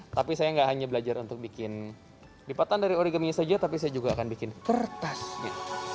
tapi saya nggak hanya belajar untuk bikin lipatan dari origaminya saja tapi saya juga akan bikin kertas gitu